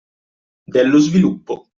Dello sviluppo;